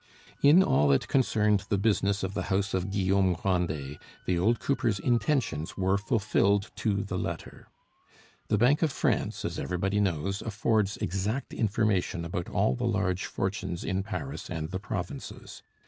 In all that concerned the business of the house of Guillaume Grandet the old cooper's intentions were fulfilled to the letter. The Bank of France, as everybody knows, affords exact information about all the large fortunes in Paris and the provinces.